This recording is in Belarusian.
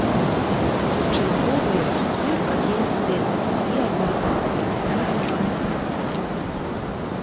Чарговая цукерка для эстэтаў і аматараў элітарнага мастацтва.